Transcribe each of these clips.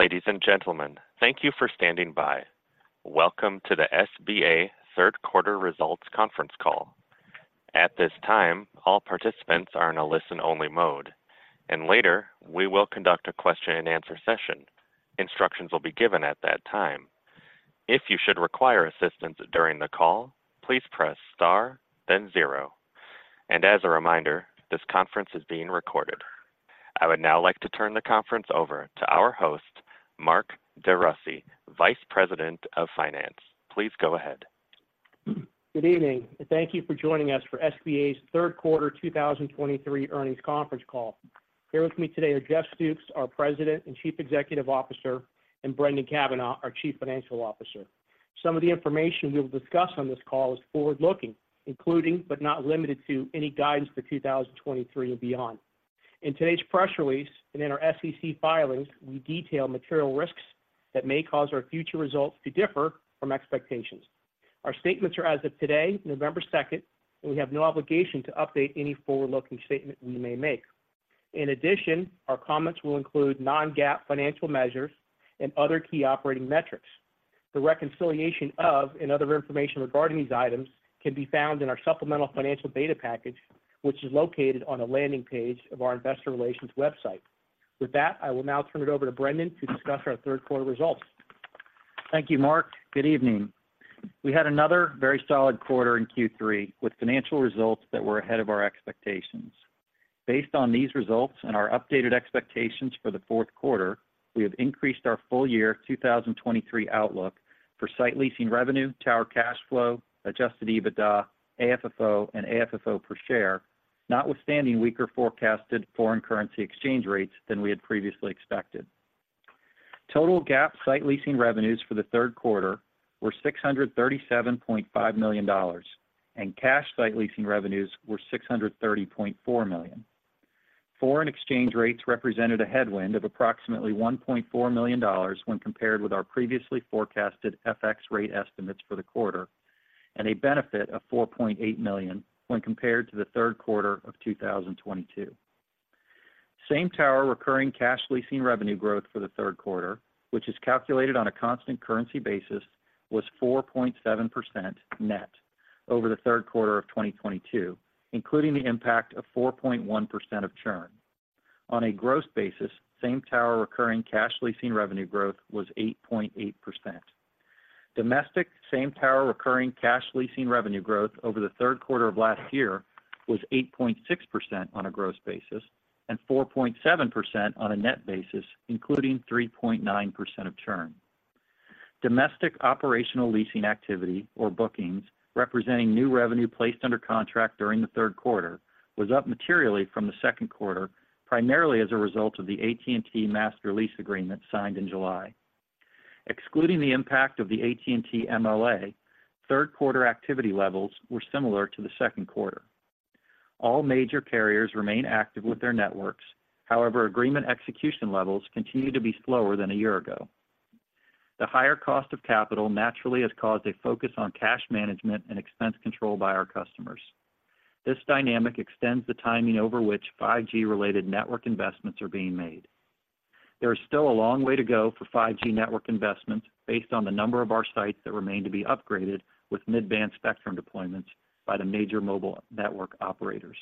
Ladies and gentlemen, thank you for standing by. Welcome to the SBA Third Quarter Results Conference Call. At this time, all participants are in a listen-only mode, and later, we will conduct a question-and-answer session. Instructions will be given at that time. If you should require assistance during the call, please press star, then zero. As a reminder, this conference is being recorded. I would now like to turn the conference over to our host, Mark DeRussy, Vice President of Finance. Please go ahead. Good evening, and thank you for joining us for SBA's third quarter 2023 earnings conference call. Here with me today are Jeff Stoops, our President and Chief Executive Officer, and Brendan Cavanagh, our Chief Financial Officer. Some of the information we will discuss on this call is forward-looking, including, but not limited to, any guidance for 2023 or beyond. In today's press release and in our SEC filings, we detail material risks that may cause our future results to differ from expectations. Our statements are as of today, November second, and we have no obligation to update any forward-looking statement we may make. In addition, our comments will include non-GAAP financial measures and other key operating metrics. The reconciliation of, and other information regarding these items can be found in our supplemental financial data package, which is located on the landing page of our investor relations website. With that, I will now turn it over to Brendan to discuss our third quarter results. Thank you, Mark. Good evening. We had another very solid quarter in Q3, with financial results that were ahead of our expectations. Based on these results and our updated expectations for the fourth quarter, we have increased our full year 2023 outlook for site leasing revenue, tower cash flow, Adjusted EBITDA, AFFO, and AFFO per share, notwithstanding weaker forecasted foreign currency exchange rates than we had previously expected. Total GAAP site leasing revenues for the third quarter were $637.5 million, and cash site leasing revenues were $630.4 million. Foreign exchange rates represented a headwind of approximately $1.4 million when compared with our previously forecasted FX rate estimates for the quarter, and a benefit of $4.8 million when compared to the third quarter of 2022. Same tower recurring cash leasing revenue growth for the third quarter, which is calculated on a constant currency basis, was 4.7% net over the third quarter of 2022, including the impact of 4.1% of churn. On a gross basis, same tower recurring cash leasing revenue growth was 8.8%. Domestic same tower recurring cash leasing revenue growth over the third quarter of last year was 8.6% on a gross basis and 4.7% on a net basis, including 3.9% of churn. Domestic operational leasing activity or bookings, representing new revenue placed under contract during the third quarter, was up materially from the second quarter, primarily as a result of the AT&T master lease agreement signed in July. Excluding the impact of the AT&T MLA, third quarter activity levels were similar to the second quarter. All major carriers remain active with their networks. However, agreement execution levels continue to be slower than a year ago. The higher cost of capital naturally has caused a focus on cash management and expense control by our customers. This dynamic extends the timing over which 5G-related network investments are being made. There is still a long way to go for 5G network investments based on the number of our sites that remain to be upgraded with mid-band spectrum deployments by the major mobile network operators.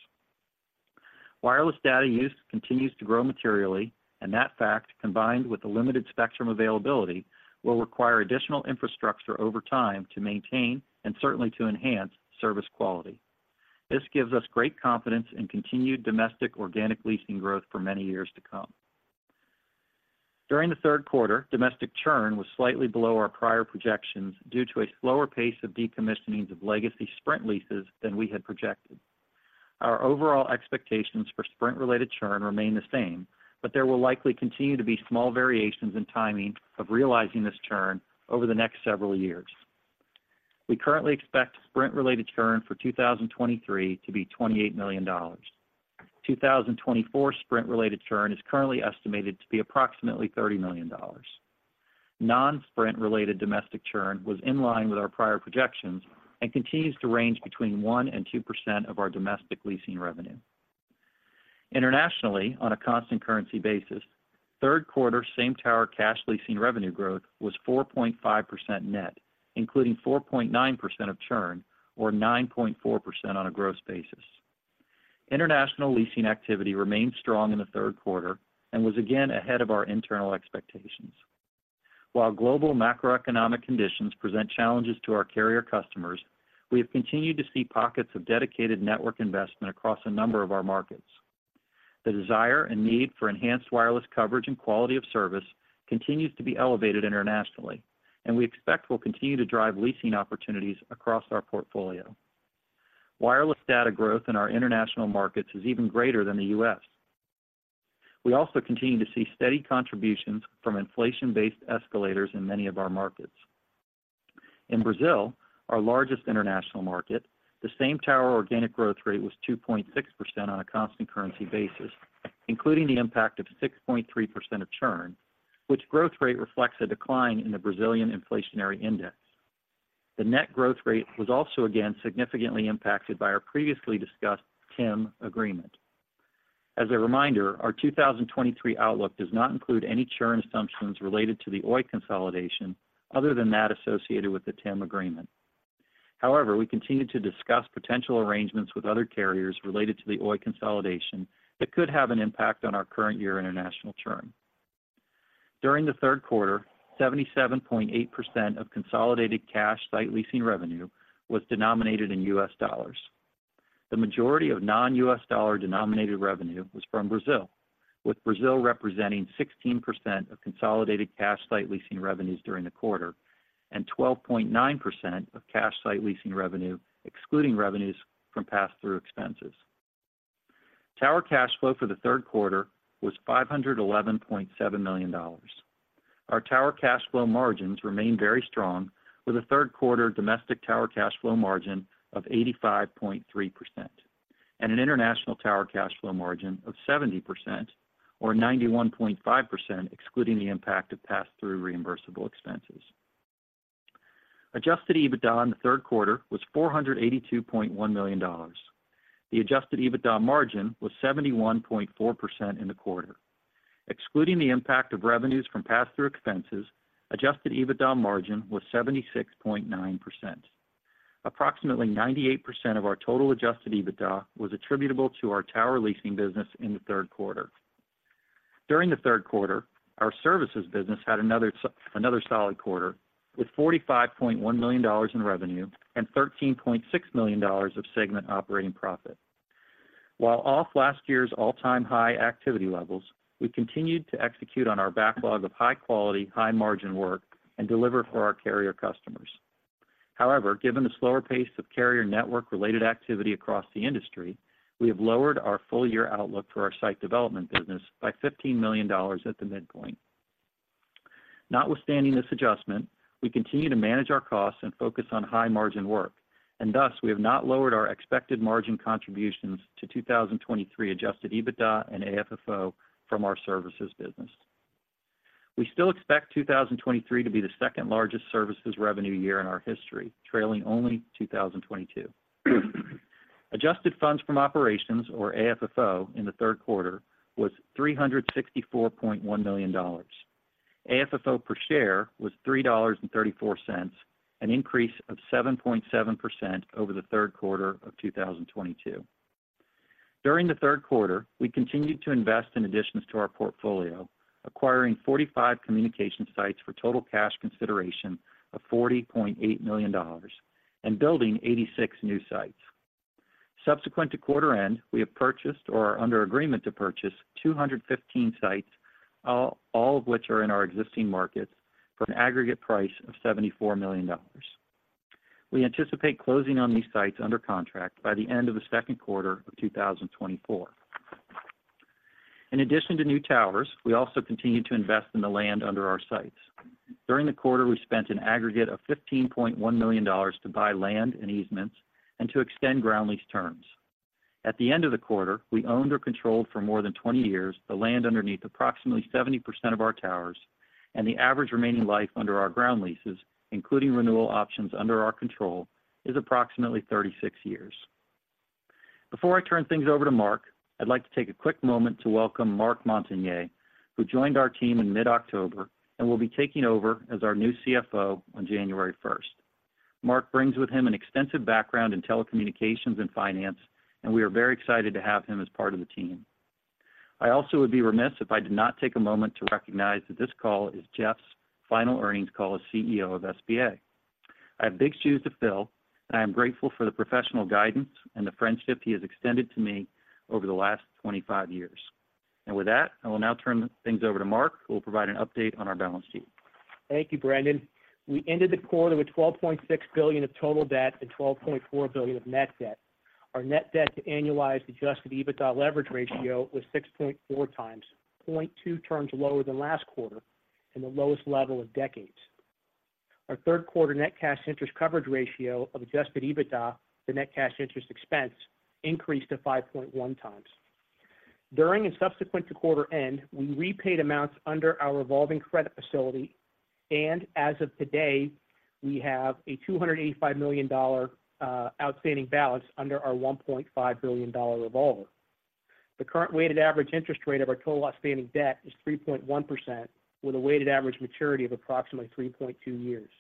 Wireless data use continues to grow materially, and that fact, combined with the limited spectrum availability, will require additional infrastructure over time to maintain and certainly to enhance service quality. This gives us great confidence in continued domestic organic leasing growth for many years to come. During the third quarter, domestic churn was slightly below our prior projections due to a slower pace of decommissioning of legacy Sprint leases than we had projected. Our overall expectations for Sprint-related churn remain the same, but there will likely continue to be small variations in timing of realizing this churn over the next several years. We currently expect Sprint-related churn for 2023 to be $28 million. 2024 Sprint-related churn is currently estimated to be approximately $30 million. Non-Sprint related domestic churn was in line with our prior projections and continues to range between 1% and 2% of our domestic leasing revenue. Internationally, on a constant currency basis, third quarter same tower cash leasing revenue growth was 4.5% net, including 4.9% of churn, or 9.4% on a gross basis. International leasing activity remained strong in the third quarter and was again ahead of our internal expectations. While global macroeconomic conditions present challenges to our carrier customers, we have continued to see pockets of dedicated network investment across a number of our markets. The desire and need for enhanced wireless coverage and quality of service continues to be elevated internationally, and we expect will continue to drive leasing opportunities across our portfolio. Wireless data growth in our international markets is even greater than the U.S. We also continue to see steady contributions from inflation-based escalators in many of our markets. In Brazil, our largest international market, the same tower organic growth rate was 2.6% on a constant currency basis, including the impact of 6.3% of churn, which growth rate reflects a decline in the Brazilian inflationary index. The net growth rate was also again significantly impacted by our previously discussed TIM agreement. As a reminder, our 2023 outlook does not include any churn assumptions related to the Oi consolidation other than that associated with the TIM agreement. However, we continue to discuss potential arrangements with other carriers related to the Oi consolidation that could have an impact on our current year international churn. During the third quarter, 77.8% of consolidated cash site leasing revenue was denominated in U.S. dollars. The majority of non-U.S. dollar-denominated revenue was from Brazil, with Brazil representing 16% of consolidated cash site leasing revenues during the quarter, and 12.9% of cash site leasing revenue, excluding revenues from pass-through expenses. Tower cash flow for the third quarter was $511.7 million. Our Tower Cash Flow margins remained very strong, with a third quarter domestic Tower Cash Flow margin of 85.3% and an international Tower Cash Flow margin of 70%, or 91.5%, excluding the impact of pass-through reimbursable expenses. Adjusted EBITDA in the third quarter was $482.1 million. The Adjusted EBITDA margin was 71.4% in the quarter. Excluding the impact of revenues from pass-through expenses, Adjusted EBITDA margin was 76.9%. Approximately 98% of our total Adjusted EBITDA was attributable to our tower leasing business in the third quarter. During the third quarter, our services business had another solid quarter, with $45.1 million in revenue and $13.6 million of segment operating profit. While off last year's all-time high activity levels, we continued to execute on our backlog of high quality, high margin work and deliver for our carrier customers. However, given the slower pace of carrier network-related activity across the industry, we have lowered our full-year outlook for our site development business by $15 million at the midpoint. Notwithstanding this adjustment, we continue to manage our costs and focus on high-margin work, and thus, we have not lowered our expected margin contributions to 2023 Adjusted EBITDA and AFFO from our services business. We still expect 2023 to be the second-largest services revenue year in our history, trailing only 2022. Adjusted funds from operations, or AFFO, in the third quarter was $364.1 million. AFFO per share was $3.34, an increase of 7.7% over the third quarter of 2022. During the third quarter, we continued to invest in additions to our portfolio, acquiring 45 communication sites for total cash consideration of $40.8 million and building 86 new sites. Subsequent to quarter end, we have purchased or are under agreement to purchase 215 sites, all of which are in our existing markets, for an aggregate price of $74 million. We anticipate closing on these sites under contract by the end of the second quarter of 2024. In addition to new towers, we also continued to invest in the land under our sites. During the quarter, we spent an aggregate of $15.1 million to buy land and easements and to extend ground lease terms. At the end of the quarter, we owned or controlled, for more than 20 years, the land underneath approximately 70% of our towers, and the average remaining life under our ground leases, including renewal options under our control, is approximately 36 years. Before I turn things over to Mark, I'd like to take a quick moment to welcome Marc Montagner, who joined our team in mid-October and will be taking over as our new CFO on January 1st. Mark brings with him an extensive background in telecommunications and finance, and we are very excited to have him as part of the team. I also would be remiss if I did not take a moment to recognize that this call is Jeff's final earnings call as CEO of SBA. I have big shoes to fill, and I am grateful for the professional guidance and the friendship he has extended to me over the last 25 years. With that, I will now turn things over to Mark, who will provide an update on our balance sheet. Thank you, Brendan. We ended the quarter with $12.6 billion of total debt and $12.4 billion of net debt. Our net debt to annualized Adjusted EBITDA leverage ratio was 6.4x, 0.2 turns lower than last quarter and the lowest level in decades. Our third quarter net cash interest coverage ratio of Adjusted EBITDA to net cash interest expense increased to 5.1x. During and subsequent to quarter end, we repaid amounts under our revolving credit facility, and as of today, we have a $285 million outstanding balance under our $1.5 billion revolver. The current weighted average interest rate of our total outstanding debt is 3.1%, with a weighted average maturity of approximately 3.2 years.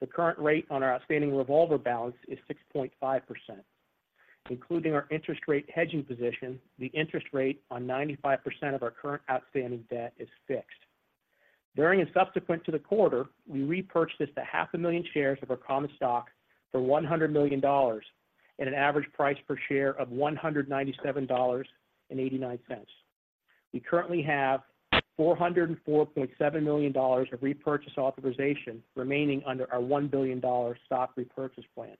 The current rate on our outstanding revolver balance is 6.5%. Including our interest rate hedging position, the interest rate on 95% of our current outstanding debt is fixed. During and subsequent to the quarter, we repurchased 500,000 shares of our common stock for $100 million at an average price per share of $197.89. We currently have $404.7 million of repurchase authorization remaining under our $1 billion stock repurchase plan.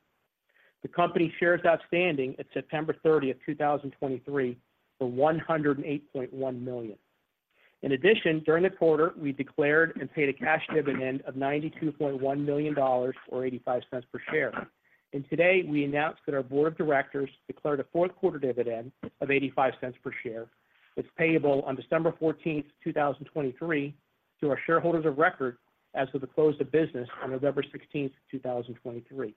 The company's shares outstanding at September 30, 2023, were 108.1 million. In addition, during the quarter, we declared and paid a cash dividend of $92.1 million, or $0.85 per share. Today, we announced that our Board of Directors declared a fourth quarter dividend of $0.85 per share. It's payable on December 14, 2023, to our shareholders of record as of the close of business on November 16, 2023.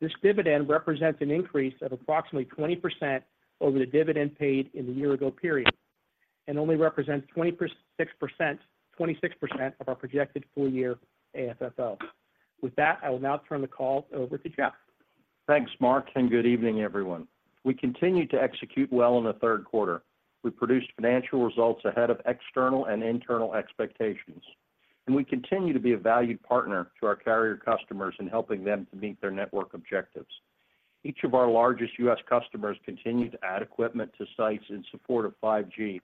This dividend represents an increase of approximately 20% over the dividend paid in the year-ago period, and only represents 26% of our projected full year AFFO. With that, I will now turn the call over to Jeff. Thanks, Mark, and good evening, everyone. We continued to execute well in the third quarter. We produced financial results ahead of external and internal expectations, and we continue to be a valued partner to our carrier customers in helping them to meet their network objectives. Each of our largest U.S. customers continued to add equipment to sites in support of 5G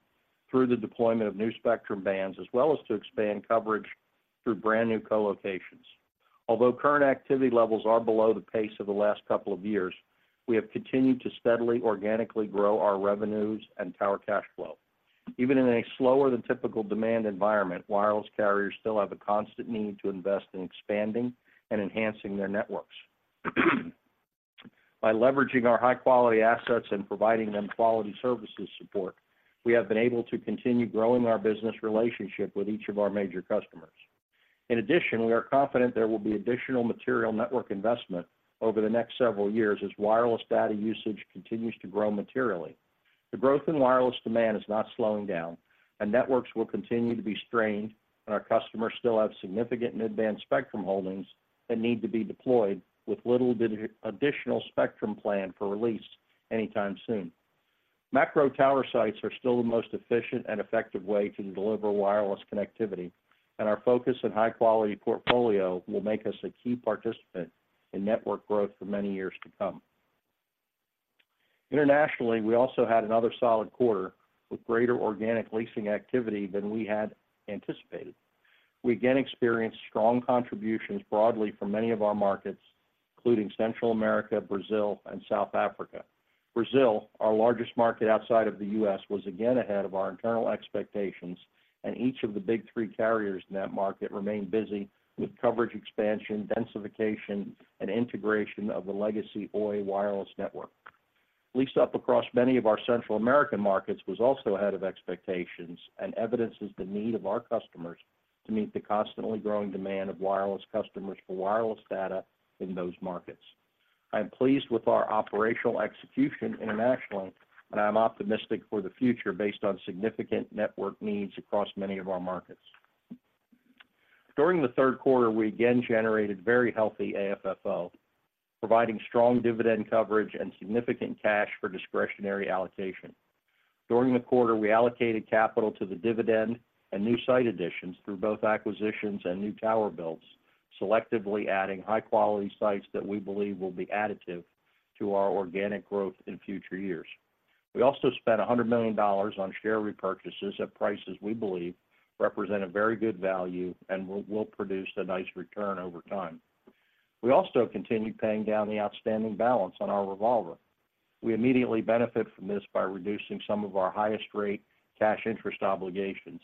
through the deployment of new spectrum bands, as well as to expand coverage through brand new co-locations. Although current activity levels are below the pace of the last couple of years, we have continued to steadily, organically grow our revenues and tower cash flow. Even in a slower than typical demand environment, wireless carriers still have a constant need to invest in expanding and enhancing their networks. By leveraging our high-quality assets and providing them quality services support, we have been able to continue growing our business relationship with each of our major customers. In addition, we are confident there will be additional material network investment over the next several years as wireless data usage continues to grow materially. The growth in wireless demand is not slowing down, and networks will continue to be strained, and our customers still have significant mid-band spectrum holdings that need to be deployed with little bit of additional spectrum planned for release anytime soon. Macro tower sites are still the most efficient and effective way to deliver wireless connectivity, and our focus on high-quality portfolio will make us a key participant in network growth for many years to come. Internationally, we also had another solid quarter, with greater organic leasing activity than we had anticipated. We again experienced strong contributions broadly from many of our markets, including Central America, Brazil, and South Africa. Brazil, our largest market outside of the U.S., was again ahead of our internal expectations, and each of the big three carriers in that market remained busy with coverage expansion, densification, and integration of the legacy Oi Wireless network. Lease-up across many of our Central American markets was also ahead of expectations and evidences the need of our customers to meet the constantly growing demand of wireless customers for wireless data in those markets. I am pleased with our operational execution internationally, and I'm optimistic for the future based on significant network needs across many of our markets. During the third quarter, we again generated very healthy AFFO, providing strong dividend coverage and significant cash for discretionary allocation. During the quarter, we allocated capital to the dividend and new site additions through both acquisitions and new tower builds, selectively adding high-quality sites that we believe will be additive to our organic growth in future years. We also spent $100 million on share repurchases at prices we believe represent a very good value and will produce a nice return over time. We also continued paying down the outstanding balance on our revolver. We immediately benefit from this by reducing some of our highest rate cash interest obligations.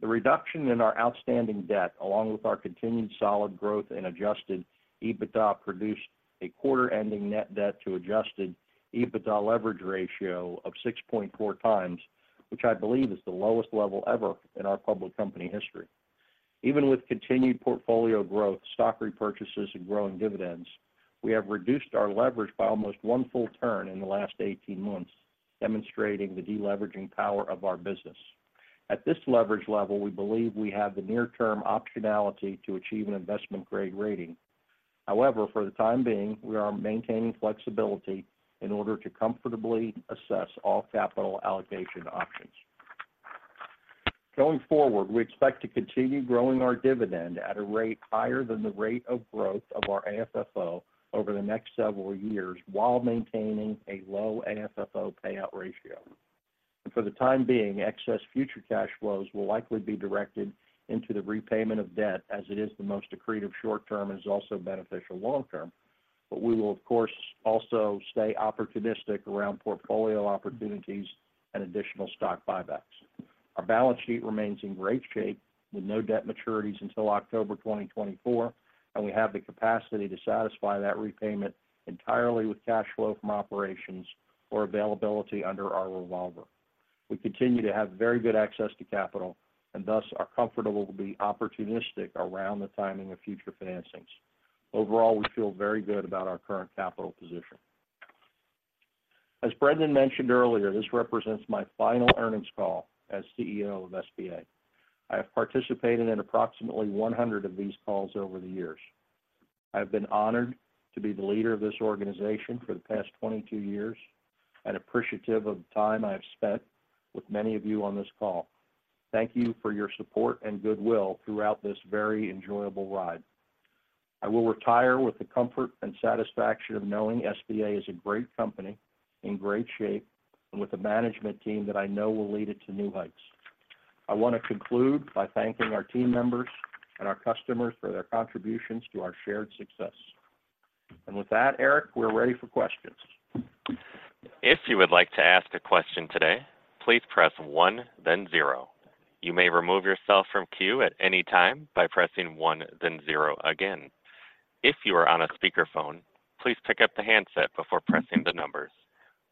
The reduction in our outstanding debt, along with our continued solid growth in Adjusted EBITDA, produced a quarter-ending net debt to Adjusted EBITDA leverage ratio of 6.4 times, which I believe is the lowest level ever in our public company history. Even with continued portfolio growth, stock repurchases, and growing dividends, we have reduced our leverage by almost one full turn in the last 18 months, demonstrating the deleveraging power of our business. At this leverage level, we believe we have the near-term optionality to achieve an investment grade rating. However, for the time being, we are maintaining flexibility in order to comfortably assess all capital allocation options. Going forward, we expect to continue growing our dividend at a rate higher than the rate of growth of our AFFO over the next several years, while maintaining a low AFFO payout ratio. For the time being, excess future cash flows will likely be directed into the repayment of debt, as it is the most accretive short-term and is also beneficial long-term, but we will, of course, also stay opportunistic around portfolio opportunities and additional stock buybacks. Our balance sheet remains in great shape, with no debt maturities until October 2024, and we have the capacity to satisfy that repayment entirely with cash flow from operations or availability under our revolver. We continue to have very good access to capital and thus are comfortable to be opportunistic around the timing of future financings. Overall, we feel very good about our current capital position. As Brendan mentioned earlier, this represents my final earnings call as CEO of SBA. I have participated in approximately 100 of these calls over the years. I've been honored to be the leader of this organization for the past 22 years and appreciative of the time I have spent with many of you on this call. Thank you for your support and goodwill throughout this very enjoyable ride. I will retire with the comfort and satisfaction of knowing SBA is a great company, in great shape, and with a management team that I know will lead it to new heights. I want to conclude by thanking our team members and our customers for their contributions to our shared success. With that, Eric, we're ready for questions. If you would like to ask a question today, please press one, then zero. You may remove yourself from queue at any time by pressing one, then zero again. If you are on a speakerphone, please pick up the handset before pressing the numbers.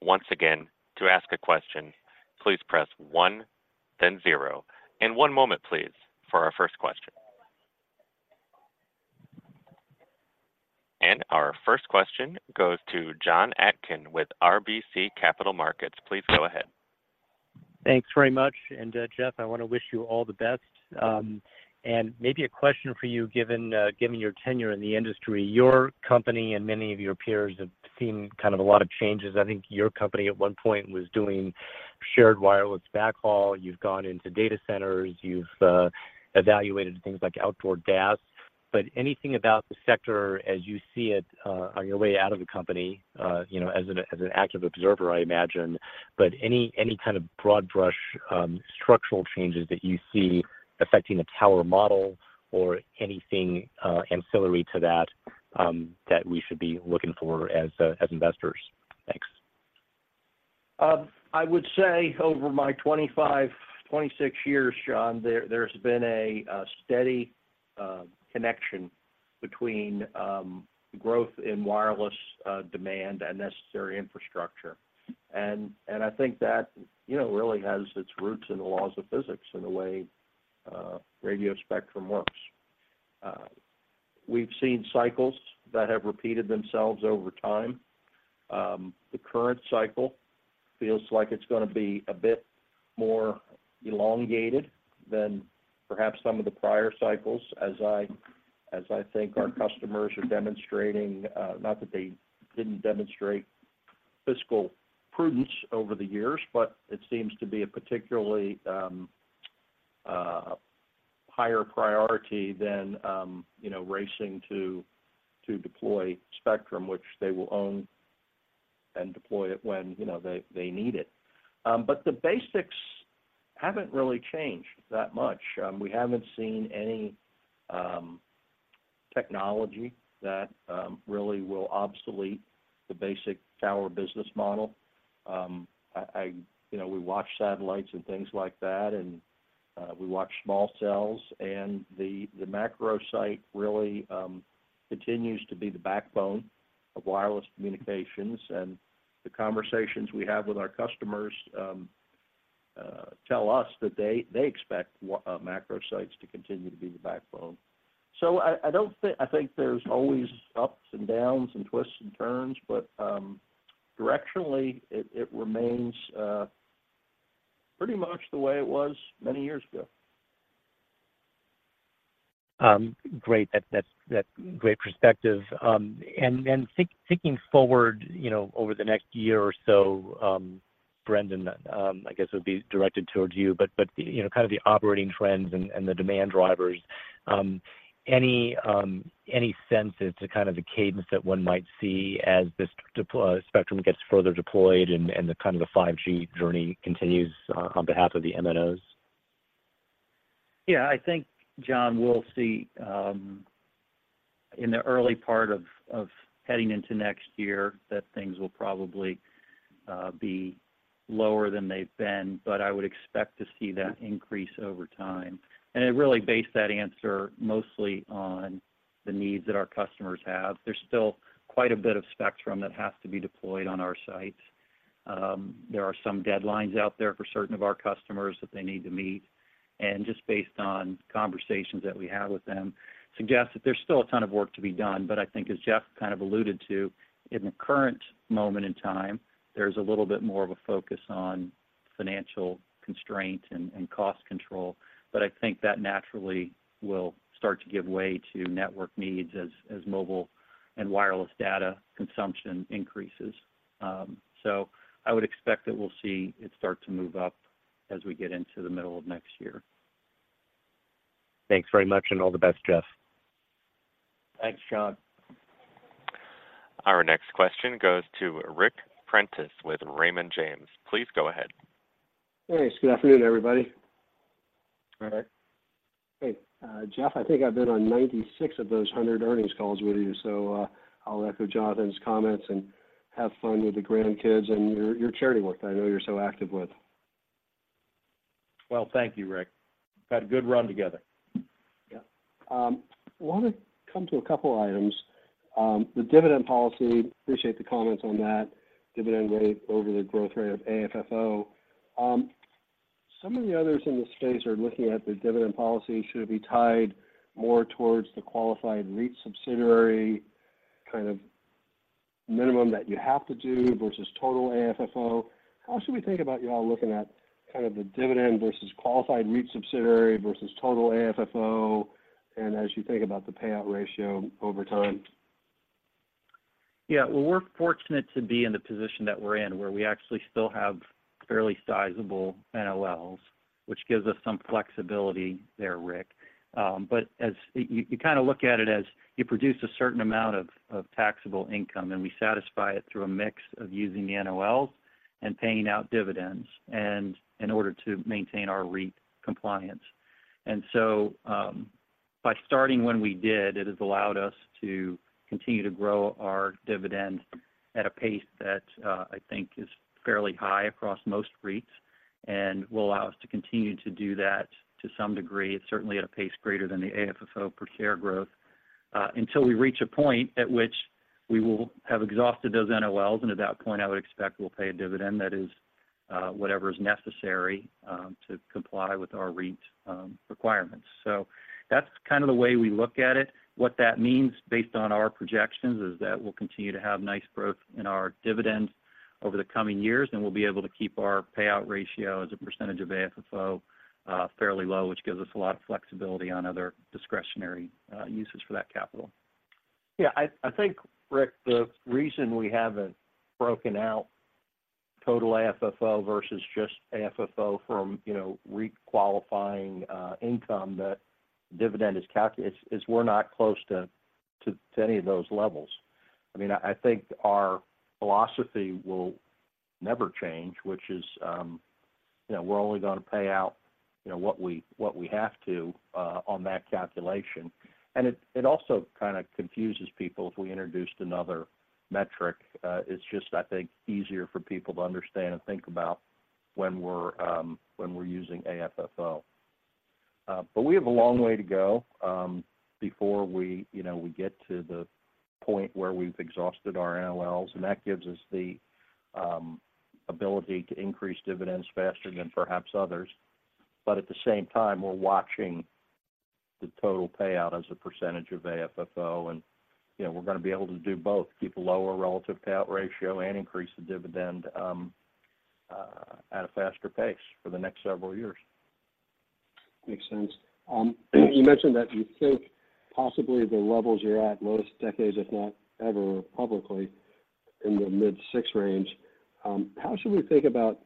Once again, to ask a question, please press one, then zero. One moment, please, for our first question. Our first question goes to Jonathan Atkin with RBC Capital Markets. Please go ahead. Thanks very much. Jeff, I want to wish you all the best. Maybe a question for you, given, given your tenure in the industry, your company and many of your peers have seen kind of a lot of changes. I think your company, at one point, was doing shared wireless backhaul. You've gone into data centers, you've evaluated things like outdoor DAS. But anything about the sector as you see it, on your way out of the company, you know, as an, as an active observer, I imagine, but any, any kind of broad brush, structural changes that you see affecting the tower model or anything, ancillary to that, that we should be looking for as, as investors? Thanks. I would say over my 25, 26 years, Jonathan, there's been a steady connection between growth in wireless demand and necessary infrastructure. And I think that, you know, really has its roots in the laws of physics and the way radio spectrum works. We've seen cycles that have repeated themselves over time. The current cycle feels like it's gonna be a bit more elongated than perhaps some of the prior cycles, as I think our customers are demonstrating, not that they didn't demonstrate fiscal prudence over the years, but it seems to be a particularly higher priority than, you know, racing to deploy spectrum, which they will own and deploy it when, you know, they need it. But the basics haven't really changed that much. We haven't seen any technology that really will obsolete the basic tower business model. I, you know, we watch satellites and things like that, and we watch small cells, and the macro site really continues to be the backbone of wireless communications, and the conversations we have with our customers tell us that they expect macro sites to continue to be the backbone. So I don't think—I think there's always ups and downs and twists and turns, but directionally, it remains pretty much the way it was many years ago. Great. That great perspective. And thinking forward, you know, over the next year or so, Brendan, I guess would be directed towards you, but you know, kind of the operating trends and the demand drivers, any sense as to kind of the cadence that one might see as this spectrum gets further deployed and the 5G journey continues on behalf of the MNOs? Yeah, I think, Jonathan, we'll see in the early part of heading into next year, that things will probably be lower than they've been, but I would expect to see that increase over time. And I really base that answer mostly on the needs that our customers have. There's still quite a bit of spectrum that has to be deployed on our sites. There are some deadlines out there for certain of our customers that they need to meet, and just based on conversations that we have with them, suggest that there's still a ton of work to be done. But I think as Jeff kind of alluded to, in the current moment in time, there's a little bit more of a focus on financial constraint and cost control, but I think that naturally will start to give way to network needs as mobile and wireless data consumption increases. So I would expect that we'll see it start to move up as we get into the middle of next year. Thanks very much, and all the best, Jeff. Thanks, Jonathan. Our next question goes to Ric Prentiss with Raymond James. Please go ahead. Thanks. Good afternoon, everybody. Hi, Ric. Hey, Jeff, I think I've been on 96 of those 100 earnings calls with you, so, I'll echo Jonathan's comments and have fun with the grandkids and your charity work I know you're so active with. Well, thank you, Ric. We've had a good run together. Yeah. Want to come to a couple items. The dividend policy, appreciate the comments on that, dividend rate over the growth rate of AFFO. Some of the others in the space are looking at the dividend policy. Should it be tied more towards the qualified REIT subsidiary, kind of minimum that you have to do versus total AFFO? How should we think about y'all looking at kind of the dividend versus qualified REIT subsidiary versus total AFFO, and as you think about the payout ratio over time? Yeah. Well, we're fortunate to be in the position that we're in, where we actually still have fairly sizable NOLs, which gives us some flexibility there, Ric. But as you kind of look at it as you produce a certain amount of taxable income, and we satisfy it through a mix of using the NOLs and paying out dividends, and in order to maintain our REIT compliance. And so, by starting when we did, it has allowed us to continue to grow our dividend at a pace that I think is fairly high across most REITs, and will allow us to continue to do that to some degree. It's certainly at a pace greater than the AFFO per share growth, until we reach a point at which we will have exhausted those NOLs, and at that point, I would expect we'll pay a dividend that is, whatever is necessary, to comply with our REIT, requirements. So that's kind of the way we look at it. What that means, based on our projections, is that we'll continue to have nice growth in our dividend over the coming years, and we'll be able to keep our payout ratio as a percentage of AFFO, fairly low, which gives us a lot of flexibility on other discretionary, uses for that capital. Yeah, I think, Ric, the reason we haven't broken out total AFFO versus just AFFO from, you know, REIT qualifying income, that dividend is we're not close to any of those levels. I mean, I think our philosophy will never change, which is, you know, we're only gonna pay out, you know, what we have to on that calculation. And it also kind of confuses people if we introduced another metric. It's just, I think, easier for people to understand and think about when we're using AFFO. But we have a long way to go before we, you know, get to the point where we've exhausted our NOLs, and that gives us the ability to increase dividends faster than perhaps others. But at the same time, we're watching the total payout as a percentage of AFFO, and, you know, we're gonna be able to do both: keep a lower relative payout ratio and increase the dividend, at a faster pace for the next several years. Makes sense. You mentioned that you think possibly the levels you're at, lowest decades, if not ever, publicly in the mid-six range. How should we think about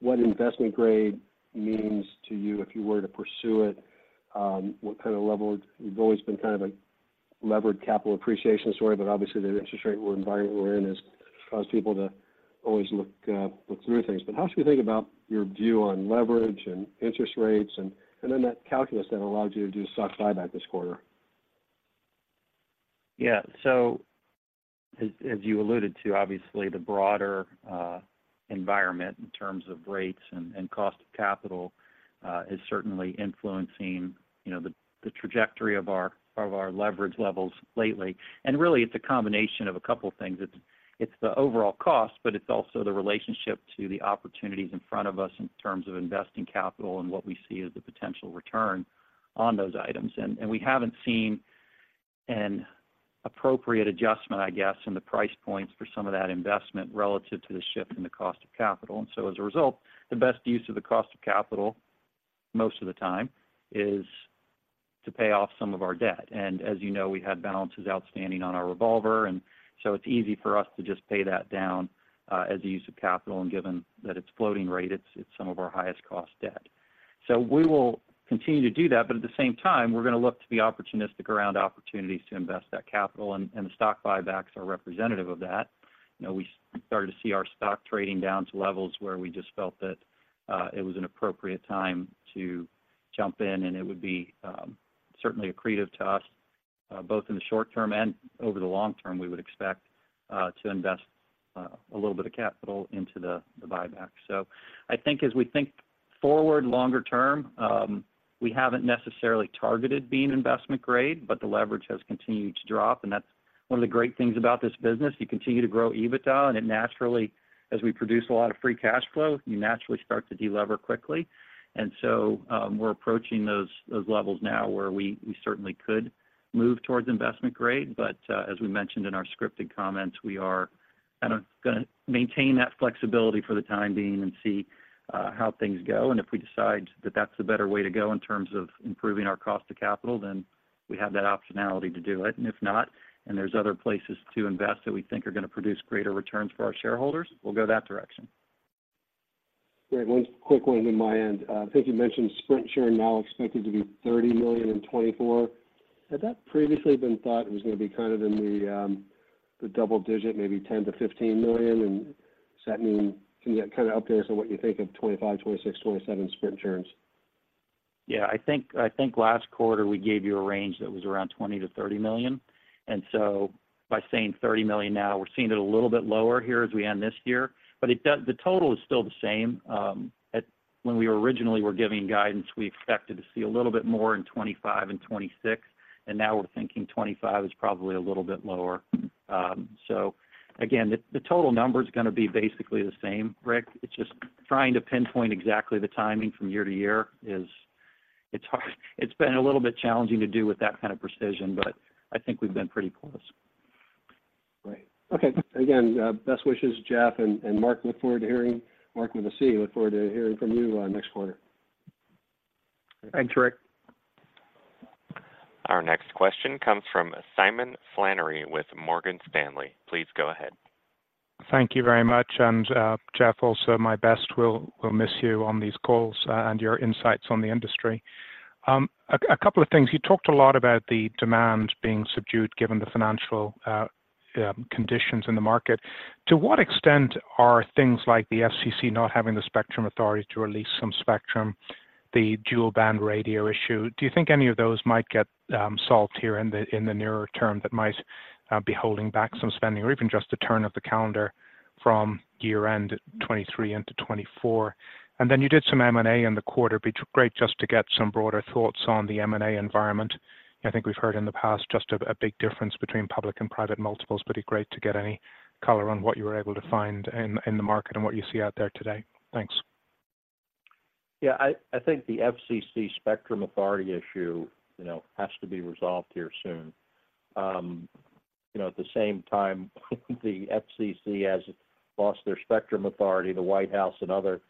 what Investment Grade means to you if you were to pursue it? What kind of level. You've always been kind of a levered capital appreciation story, but obviously, the interest rate environment we're in has caused people to always look through things. But how should we think about your view on leverage and interest rates, and, and then that calculus that allowed you to do stock buyback this quarter? Yeah. So as you alluded to, obviously, the broader environment in terms of rates and cost of capital is certainly influencing, you know, the trajectory of our leverage levels lately. And really, it's a combination of a couple things. It's the overall cost, but it's also the relationship to the opportunities in front of us in terms of investing capital and what we see as the potential return on those items. And we haven't seen an appropriate adjustment, I guess, in the price points for some of that investment relative to the shift in the cost of capital. And so as a result, the best use of the cost of capital, most of the time, is to pay off some of our debt. As you know, we had balances outstanding on our revolver, and so it's easy for us to just pay that down as the use of capital, and given that it's floating rate, it's some of our highest cost debt. So we will continue to do that, but at the same time, we're gonna look to be opportunistic around opportunities to invest that capital, and the stock buybacks are representative of that. You know, we started to see our stock trading down to levels where we just felt that it was an appropriate time to jump in, and it would be certainly accretive to us both in the short term and over the long term, we would expect to invest a little bit of capital into the buyback. So I think as we think forward, longer term, we haven't necessarily targeted being Investment Grade, but the leverage has continued to drop, and that's one of the great things about this business. You continue to grow EBITDA, and it naturally, as we produce a lot of free cash flow, you naturally start to delever quickly. And so, we're approaching those, those levels now where we, we certainly could move towards Investment Grade. But, as we mentioned in our scripted comments, we are kind of gonna maintain that flexibility for the time being and see, how things go. And if we decide that that's the better way to go in terms of improving our cost of capital, then we have that optionality to do it. If not, and there's other places to invest that we think are gonna produce greater returns for our shareholders, we'll go that direction. Great. One quick one on my end. I think you mentioned Sprint churn now expected to be $30 million in 2024. Had that previously been thought it was gonna be kind of in the double digit, maybe $10 million-$15 million? And does that mean, can you kind of update us on what you think of 2025, 2026, 2027 Sprint churns? Yeah, I think, I think last quarter, we gave you a range that was around $20-$30 million. And so by saying $30 million now, we're seeing it a little bit lower here as we end this year. But it does. The total is still the same. At when we originally were giving guidance, we expected to see a little bit more in 2025 and 2026, and now we're thinking 2025 is probably a little bit lower. So again, the total number is gonna be basically the same, Ric. It's just trying to pinpoint exactly the timing from year to year is, it's hard. It's been a little bit challenging to do with that kind of precision, but I think we've been pretty close. Great. Okay. Again, best wishes, Jeff and, and Marc. Look forward to hearing, Marc with a C, look forward to hearing from you, next quarter. Thanks, Ric. Our next question comes from Simon Flannery with Morgan Stanley. Please go ahead. Thank you very much. And, Jeff, also, my best. We'll miss you on these calls, and your insights on the industry. A couple of things: You talked a lot about the demand being subdued, given the financial conditions in the market, to what extent are things like the FCC not having the spectrum authority to release some spectrum, the dual band radio issue? Do you think any of those might get solved here in the nearer term that might be holding back some spending, or even just the turn of the calendar from year-end 2023 into 2024? And then you did some M&A in the quarter. Be great just to get some broader thoughts on the M&A environment. I think we've heard in the past just a big difference between public and private multiples, but it'd be great to get any color on what you were able to find in the market and what you see out there today. Thanks. Yeah, I think the FCC spectrum authority issue, you know, has to be resolved here soon. You know, at the same time, the FCC has lost their spectrum authority, the White House and other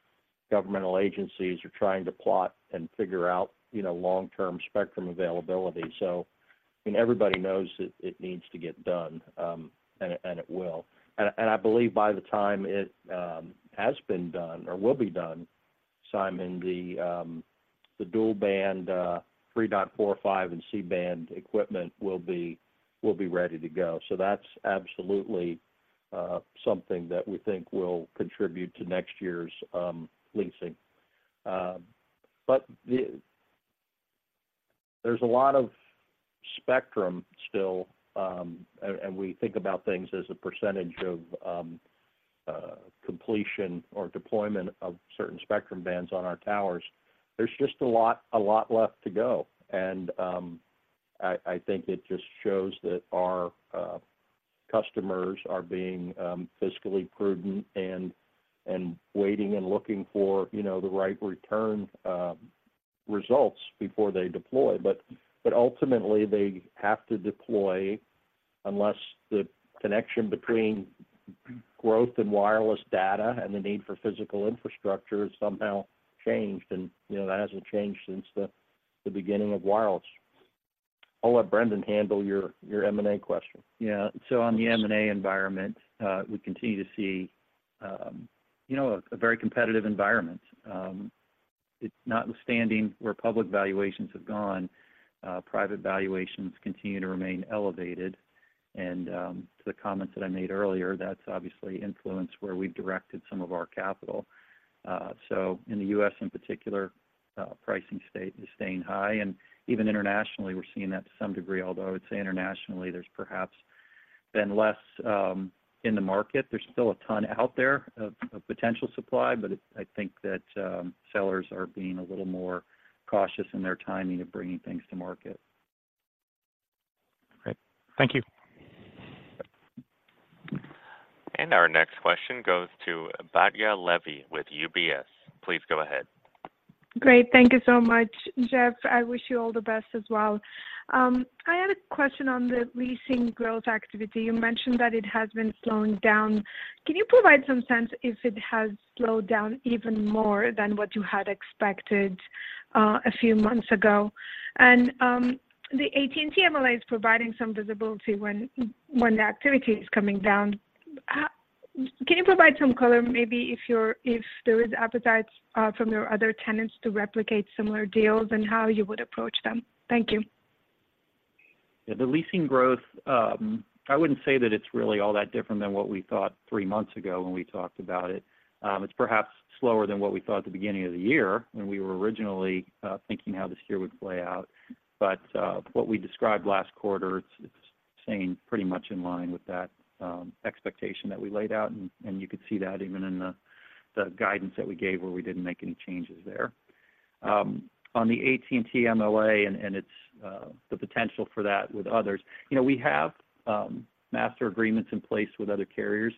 governmental agencies are trying to plot and figure out, you know, long-term spectrum availability. So, I mean, everybody knows that it needs to get done, and it will. And I believe by the time it has been done or will be done, Simon, the dual band 3.45, and C-band equipment will be ready to go. So that's absolutely something that we think will contribute to next year's leasing. But the— There's a lot of spectrum still, and we think about things as a percentage of completion or deployment of certain spectrum bands on our towers. There's just a lot, a lot left to go, and I think it just shows that our customers are being fiscally prudent and waiting and looking for, you know, the right return results before they deploy. But ultimately, they have to deploy unless the connection between growth and wireless data and the need for physical infrastructure is somehow changed, and, you know, that hasn't changed since the beginning of wireless. I'll let Brendan handle your M&A question. Yeah. So on the M&A environment, we continue to see, you know, a very competitive environment. It's notwithstanding where public valuations have gone, private valuations continue to remain elevated, and to the comments that I made earlier, that's obviously influenced where we've directed some of our capital. So in the U.S., in particular, pricing stays high, and even internationally, we're seeing that to some degree, although I would say internationally, there's perhaps been less in the market. There's still a ton out there of potential supply, but I think that sellers are being a little more cautious in their timing of bringing things to market. Great. Thank you. Our next question goes to Batya Levi with UBS. Please go ahead. Great. Thank you so much. Jeff, I wish you all the best as well. I had a question on the leasing growth activity. You mentioned that it has been slowing down. Can you provide some sense if it has slowed down even more than what you had expected, a few months ago? And, the AT&T MLA is providing some visibility when the activity is coming down. Can you provide some color, maybe if there is appetite from your other tenants to replicate similar deals and how you would approach them? Thank you. Yeah, the leasing growth, I wouldn't say that it's really all that different than what we thought three months ago when we talked about it. It's perhaps slower than what we thought at the beginning of the year, when we were originally thinking how this year would play out. But what we described last quarter, it's staying pretty much in line with that expectation that we laid out, and you could see that even in the guidance that we gave, where we didn't make any changes there. On the AT&T MLA and its potential for that with others, you know, we have master agreements in place with other carriers.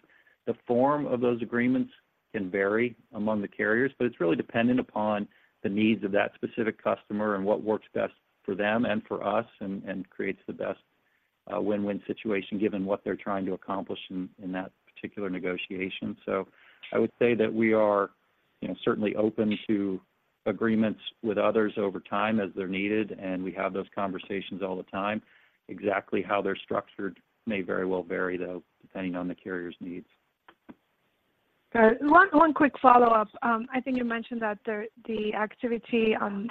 The form of those agreements can vary among the carriers, but it's really dependent upon the needs of that specific customer and what works best for them and for us, and creates the best win-win situation, given what they're trying to accomplish in that particular negotiation. So I would say that we are, you know, certainly open to agreements with others over time as they're needed, and we have those conversations all the time. Exactly how they're structured may very well vary, though, depending on the carrier's needs. Got it. One quick follow-up. I think you mentioned that the activity on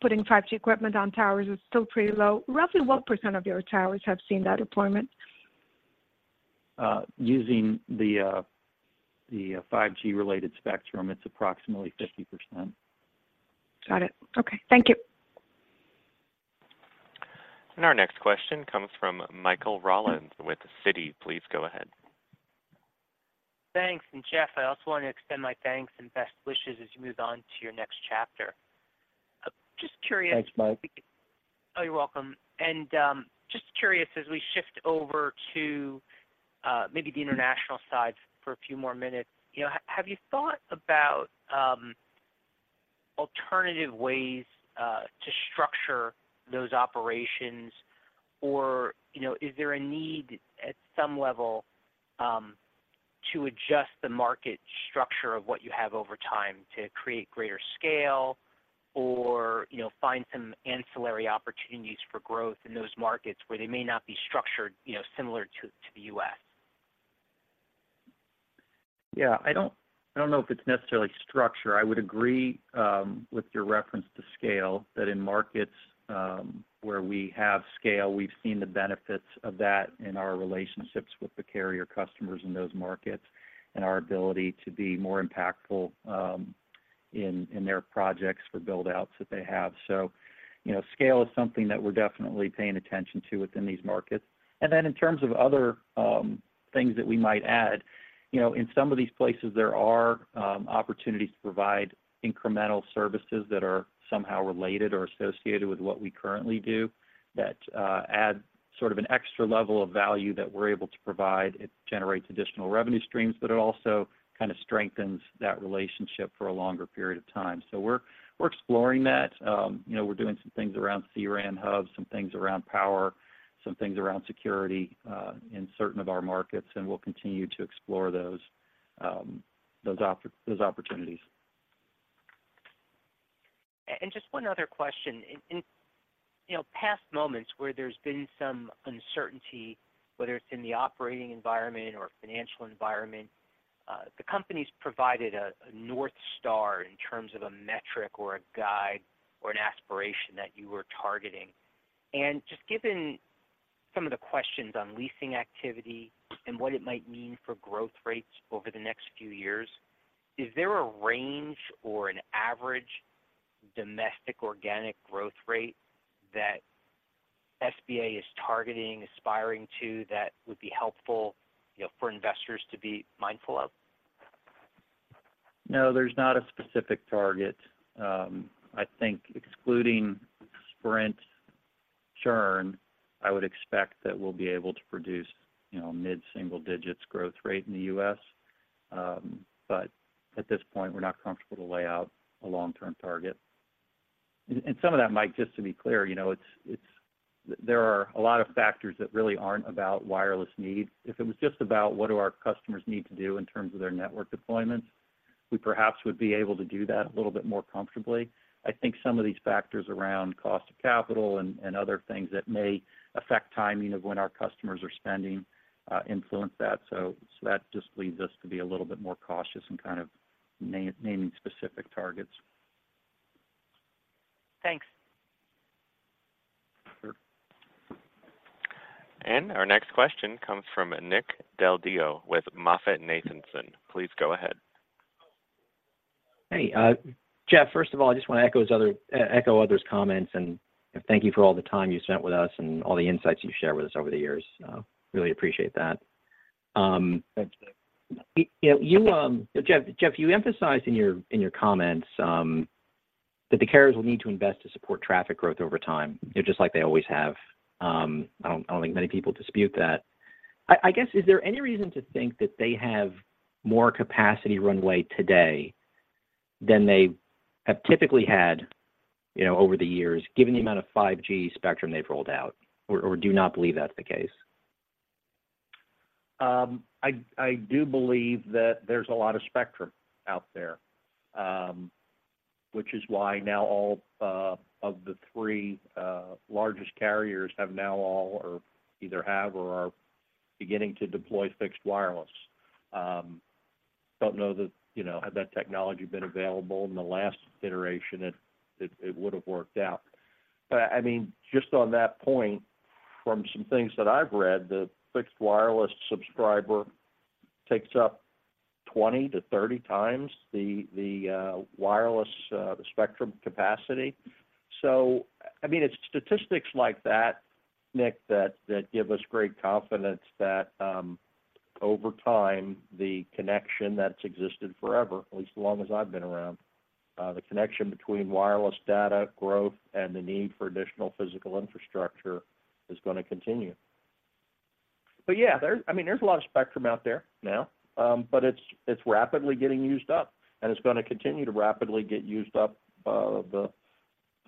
putting 5G equipment on towers is still pretty low. Roughly what percent of your towers have seen that deployment? Using the 5G-related spectrum, it's approximately 50%. Got it. Okay. Thank you. Our next question comes from Michael Rollins with Citi. Please go ahead. Thanks. And Jeff, I also want to extend my thanks and best wishes as you move on to your next chapter. Just curious— Thanks, Michael. Oh, you're welcome. And just curious, as we shift over to maybe the international side for a few more minutes, you know, have you thought about alternative ways to structure those operations? Or, you know, is there a need, at some level, to adjust the market structure of what you have over time to create greater scale or, you know, find some ancillary opportunities for growth in those markets where they may not be structured, you know, similar to the U.S.? Yeah, I don't know if it's necessarily structure. I would agree with your reference to scale, that in markets where we have scale, we've seen the benefits of that in our relationships with the carrier customers in those markets, and our ability to be more impactful in their projects for build-outs that they have. So, you know, scale is something that we're definitely paying attention to within these markets. And then in terms of other things that we might add, you know, in some of these places, there are opportunities to provide incremental services that are somehow related or associated with what we currently do, that add sort of an extra level of value that we're able to provide. It generates additional revenue streams, but it also kind of strengthens that relationship for a longer period of time. So we're exploring that. You know, we're doing some things around C-RAN hubs, some things around power, some things around security, in certain of our markets, and we'll continue to explore those opportunities. Just one other question. In you know, past moments where there's been some uncertainty, whether it's in the operating environment or financial environment, the company's provided a North Star in terms of a metric or a guide or an aspiration that you were targeting. Just given some of the questions on leasing activity and what it might mean for growth rates over the next few years, is there a range or an average domestic organic growth rate that SBA is targeting, aspiring to, that would be helpful, you know, for investors to be mindful of? No, there's not a specific target. I think excluding Sprint churn, I would expect that we'll be able to produce, you know, mid-single digits growth rate in the U.S. But at this point, we're not comfortable to lay out a long-term target. And some of that, Michael, just to be clear, you know, it's—there are a lot of factors that really aren't about wireless need. If it was just about what do our customers need to do in terms of their network deployments, we perhaps would be able to do that a little bit more comfortably. I think some of these factors around cost of capital and other things that may affect timing of when our customers are spending influence that. So that just leads us to be a little bit more cautious in kind of naming specific targets. Thanks. Sure. Our next question comes from Nick Del Deo with MoffettNathanson. Please go ahead. Hey, Jeff, first of all, I just want to echo others' comments, and thank you for all the time you spent with us and all the insights you've shared with us over the years. Really appreciate that. You emphasized in your comments that the carriers will need to invest to support traffic growth over time, just like they always have. I don't think many people dispute that. I guess, is there any reason to think that they have more capacity runway today than they have typically had, you know, over the years, given the amount of 5G spectrum they've rolled out, or do you not believe that's the case? I do believe that there's a lot of spectrum out there, which is why now all of the three largest carriers have now all, or either have or are beginning to deploy fixed wireless. Don't know that, you know, had that technology been available in the last iteration, it would have worked out. But, I mean, just on that point, from some things that I've read, the fixed wireless subscriber takes up 20-30 times the wireless spectrum capacity. So I mean, it's statistics like that, Nick, that give us great confidence that, over time, the connection that's existed forever, at least as long as I've been around, the connection between wireless data growth and the need for additional physical infrastructure is gonna continue. But yeah, there's. I mean, there's a lot of spectrum out there now, but it's rapidly getting used up, and it's gonna continue to rapidly get used up,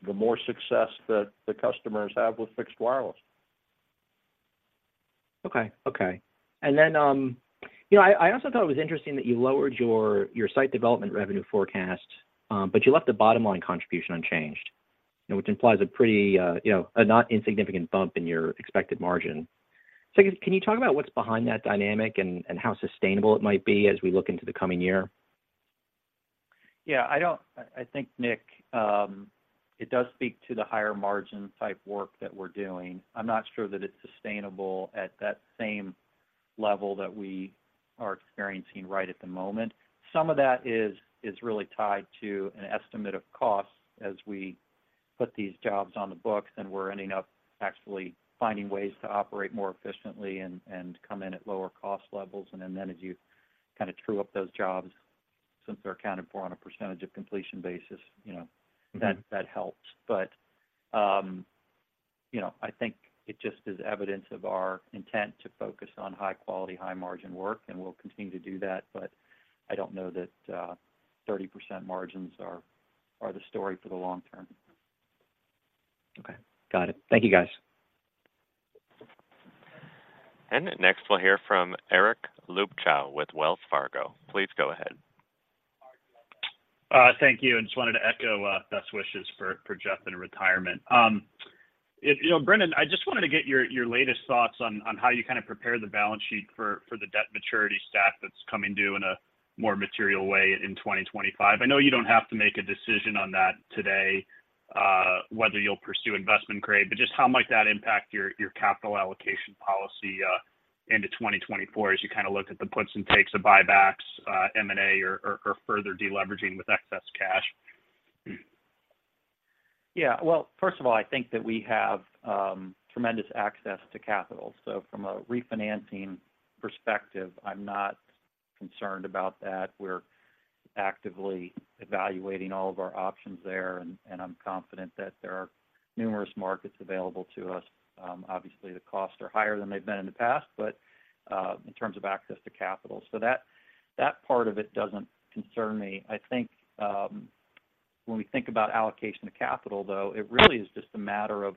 the more success that the customers have with fixed wireless. Okay. Okay. And then, you know, I also thought it was interesting that you lowered your site development revenue forecast, but you left the bottom line contribution unchanged, which implies a pretty, you know, a not insignificant bump in your expected margin. So can you talk about what's behind that dynamic and how sustainable it might be as we look into the coming year? Yeah, I don't—I think, Nick, it does speak to the higher margin type work that we're doing. I'm not sure that it's sustainable at that same level that we are experiencing right at the moment. Some of that is really tied to an estimate of costs as we put these jobs on the books, and we're ending up actually finding ways to operate more efficiently and come in at lower cost levels. And then, as you kind of true up those jobs, since they're accounted for on a percentage of completion basis, you know. Mm-hmm That helps. But, you know, I think it just is evidence of our intent to focus on high quality, high margin work, and we'll continue to do that, but I don't know that, 30% margins are the story for the long term. Okay. Got it. Thank you, guys. Next, we'll hear from Eric Luebchow with Wells Fargo. Please go ahead. Thank you. I just wanted to echo best wishes for Jeff in retirement. You know, Brendan, I just wanted to get your latest thoughts on how you kind of prepare the balance sheet for the debt maturity stuff that's coming due in a more material way in 2025. I know you don't have to make a decision on that today, whether you'll pursue Investment Grade, but just how might that impact your capital allocation policy into 2024 as you kind of look at the puts and takes of buybacks, M&A, or further deleveraging with excess cash? Yeah. Well, first of all, I think that we have tremendous access to capital. So from a refinancing perspective, I'm not concerned about that. We're actively evaluating all of our options there, and I'm confident that there are numerous markets available to us. Obviously, the costs are higher than they've been in the past, but in terms of access to capital. So that part of it doesn't concern me. I think, when we think about allocation of capital, though, it really is just a matter of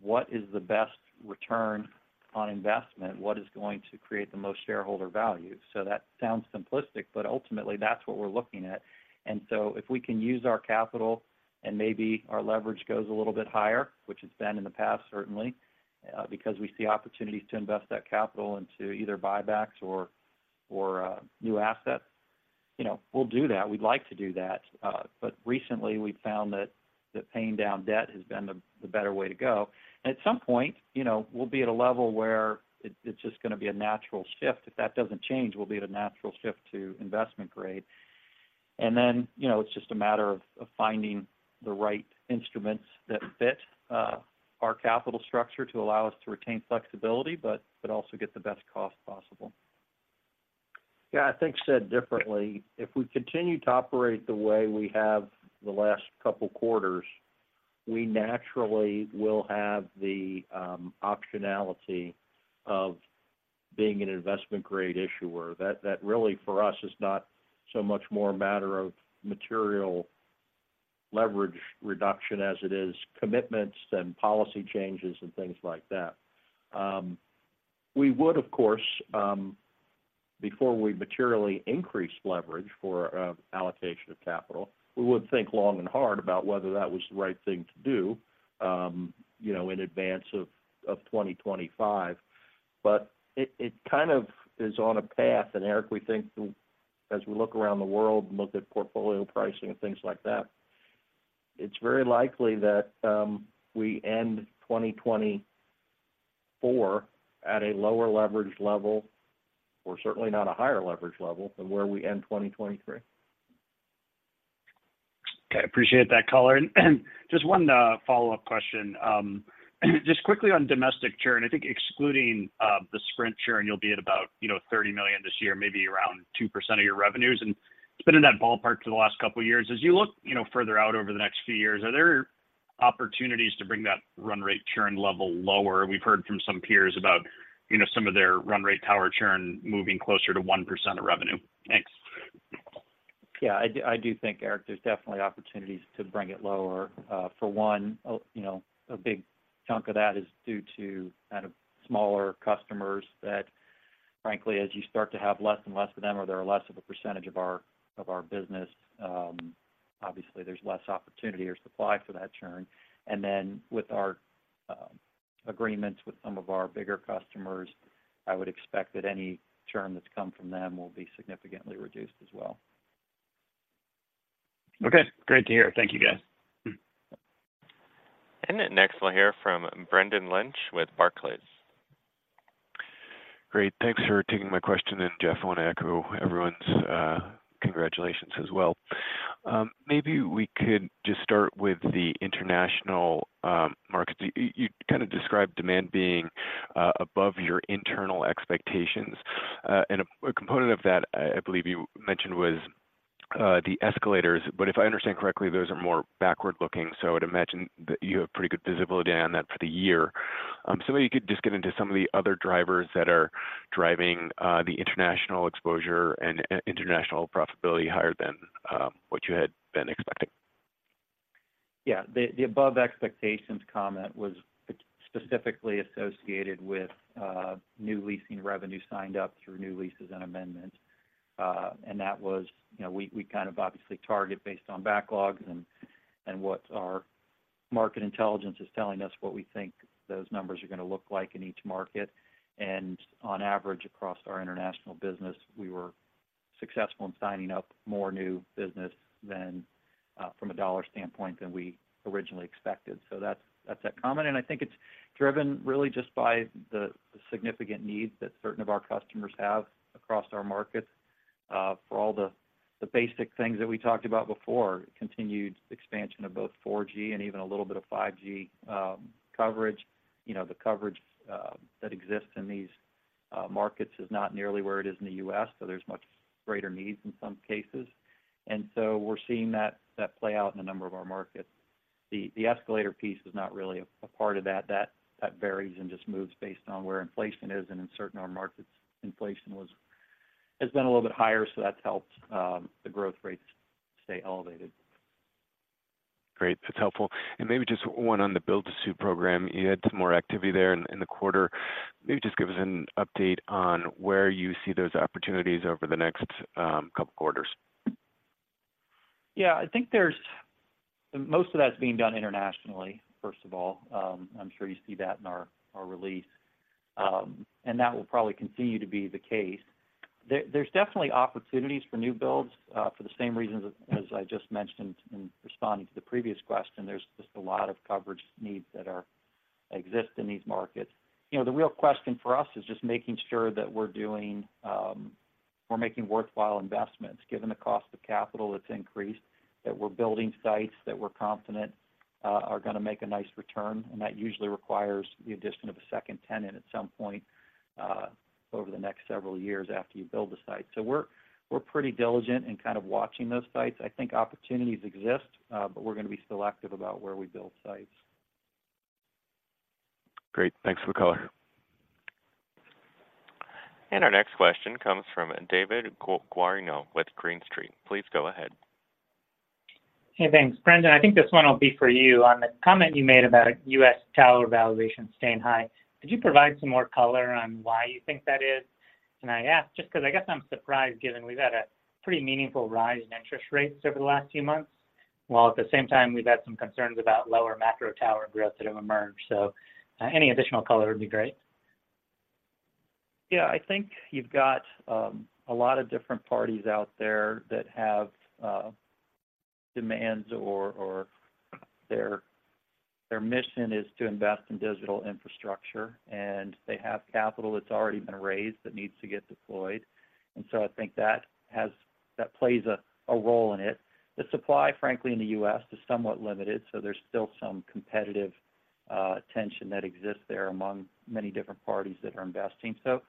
what is the best return on investment? What is going to create the most shareholder value? So that sounds simplistic, but ultimately, that's what we're looking at. So if we can use our capital, and maybe our leverage goes a little bit higher, which it's been in the past, certainly, because we see opportunities to invest that capital into either buybacks or new assets, you know, we'll do that. We'd like to do that. But recently, we've found that paying down debt has been the better way to go. And at some point, you know, we'll be at a level where it's just gonna be a natural shift. If that doesn't change, we'll be at a natural shift to Investment Grade. And then, you know, it's just a matter of finding the right instruments that fit our capital structure to allow us to retain flexibility, but also get the best cost possible. Yeah, I think said differently, if we continue to operate the way we have the last couple quarters, we naturally will have the optionality of being an Investment Grade issuer. That, that really, for us, is not so much more a matter of material leverage reduction as it is commitments and policy changes and things like that. We would, of course, before we materially increase leverage for allocation of capital, we would think long and hard about whether that was the right thing to do, you know, in advance of 2025. But it kind of is on a path, and Eric, we think the—as we look around the world and look at portfolio pricing and things like that, it's very likely that we end 2024 at a lower leverage level, or certainly not a higher leverage level, than where we end 2023. Okay, appreciate that color. And just one follow-up question. Just quickly on domestic churn, I think excluding the Sprint churn, you'll be at about, you know, $30 million this year, maybe around 2% of your revenues, and it's been in that ballpark for the last couple of years. As you look, you know, further out over the next few years, are there opportunities to bring that run rate churn level lower? We've heard from some peers about, you know, some of their run rate tower churn moving closer to 1% of revenue. Thanks. Yeah, I do, I do think, Eric, there's definitely opportunities to bring it lower. For one, you know, a big churn of that is due to kind of smaller customers that, frankly, as you start to have less and less of them, or they're less of a percentage of our, of our business, obviously there's less opportunity or supply for that churn. And then with our agreements with some of our bigger customers, I would expect that any churn that's come from them will be significantly reduced as well. Okay. Great to hear. Thank you, guys. Next, we'll hear from Brendan Lynch with Barclays. Great. Thanks for taking my question, and Jeff, I want to echo everyone's congratulations as well. Maybe we could just start with the international markets. You kind of described demand being above your internal expectations, and a component of that, I believe you mentioned was the escalators. But if I understand correctly, those are more backward-looking, so I'd imagine that you have pretty good visibility on that for the year. So maybe you could just get into some of the other drivers that are driving the international exposure and international profitability higher than what you had been expecting. Yeah. The above expectations comment was specifically associated with new leasing revenue signed up through new leases and amendments. And that was, you know, we kind of obviously target based on backlogs and what our market intelligence is telling us, what we think those numbers are gonna look like in each market. And on average, across our international business, we were successful in signing up more new business than, from a dollar standpoint, than we originally expected. So that's that comment, and I think it's driven really just by the significant needs that certain of our customers have across our markets, for all the basic things that we talked about before, continued expansion of both 4G and even a little bit of 5G coverage. You know, the coverage that exists in these markets is not nearly where it is in the U.S., so there's much greater needs in some cases. And so we're seeing that play out in a number of our markets. The escalator piece is not really a part of that. That varies and just moves based on where inflation is, and in certain of our markets, inflation has been a little bit higher, so that's helped the growth rates stay elevated. Great, that's helpful. Maybe just one on the build to suit program. You had some more activity there in the quarter. Maybe just give us an update on where you see those opportunities over the next couple quarters? Yeah, I think there's most of that's being done internationally, first of all. I'm sure you see that in our release, and that will probably continue to be the case. There's definitely opportunities for new builds, for the same reasons as I just mentioned in responding to the previous question. There's just a lot of coverage needs that exist in these markets. You know, the real question for us is just making sure that we're doing, we're making worthwhile investments, given the cost of capital that's increased, that we're building sites that we're confident are gonna make a nice return. And that usually requires the addition of a second tenant at some point, over the next several years after you build the site. So we're pretty diligent in kind of watching those sites. I think opportunities exist, but we're gonna be selective about where we build sites. Great, thanks for the color. Our next question comes from David Guarino with Green Street. Please go ahead. Hey, thanks. Brendan, I think this one will be for you. On the comment you made about U.S. tower valuations staying high, could you provide some more color on why you think that is? And I ask just 'cause I guess I'm surprised, given we've had a pretty meaningful rise in interest rates over the last few months, while at the same time, we've had some concerns about lower macro tower growth that have emerged. So, any additional color would be great. Yeah, I think you've got a lot of different parties out there that have demands or their mission is to invest in digital infrastructure, and they have capital that's already been raised that needs to get deployed. And so I think that plays a role in it. The supply, frankly, in the U.S., is somewhat limited, so there's still some competitive tension that exists there among many different parties that are investing. So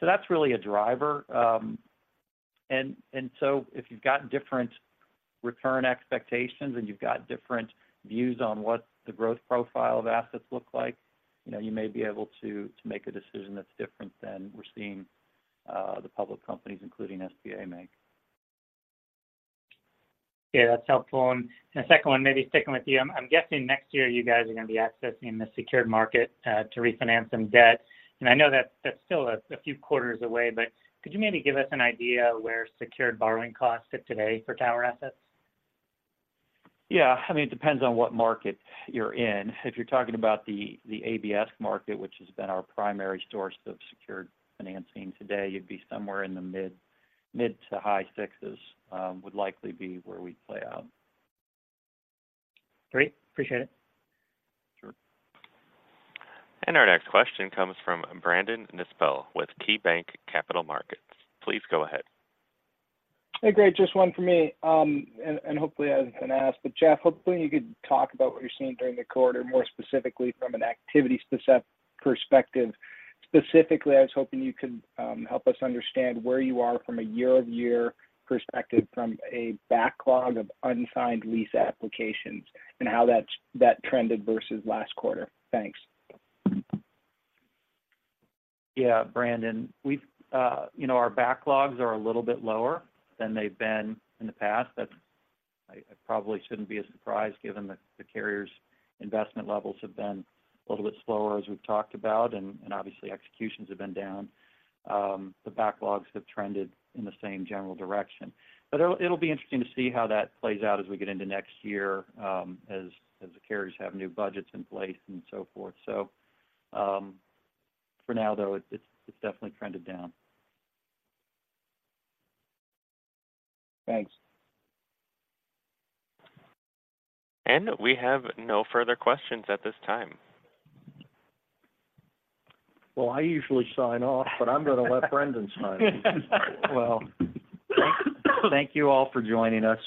that's really a driver. And so if you've got different return expectations, and you've got different views on what the growth profile of assets look like, you know, you may be able to make a decision that's different than we're seeing the public companies, including SBA, make. Yeah, that's helpful. And the second one, maybe sticking with you. I'm guessing next year, you guys are gonna be accessing the secured market to refinance some debt. And I know that's still a few quarters away, but could you maybe give us an idea where secured borrowing costs sit today for tower assets? Yeah. I mean, it depends on what market you're in. If you're talking about the ABS market, which has been our primary source of secured financing today, you'd be somewhere in the mid- to high 6s, would likely be where we'd play out. Great. Appreciate it. Sure. Our next question comes from Brandon Nispel with KeyBanc Capital Markets. Please go ahead. Hey, great. Just one for me, and hopefully it hasn't been asked, but Jeff, hopefully you could talk about what you're seeing during the quarter, more specifically from an activity specific perspective. Specifically, I was hoping you could help us understand where you are from a year-over-year perspective from a backlog of unsigned lease applications and how that's trended versus last quarter. Thanks. Yeah, Brandon, we've, you know, our backlogs are a little bit lower than they've been in the past. That's, it probably shouldn't be a surprise, given the carriers' investment levels have been a little bit slower, as we've talked about, and obviously, executions have been down. The backlogs have trended in the same general direction. But it'll be interesting to see how that plays out as we get into next year, as the carriers have new budgets in place and so forth. So, for now, though, it's definitely trended down. Thanks. We have no further questions at this time. Well, I usually sign off, but I'm gonna let Brendan sign. Well, thank you all for joining us.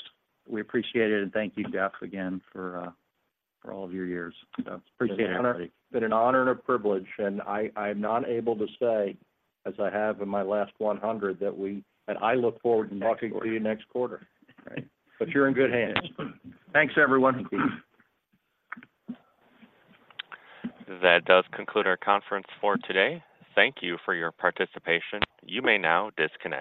We appreciate it, and thank you, Jeff, again, for all of your years. Appreciate it. It's been an honor and a privilege, and I, I'm not able to say, as I have in my last 100, that we, that I look forward to talking to you next quarter. Right. You're in good hands. Thanks, everyone. That does conclude our conference for today. Thank you for your participation. You may now disconnect.